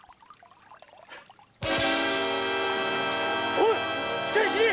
おいしっかりしろ！